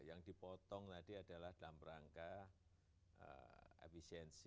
yang dipotong tadi adalah dalam rangka efisiensi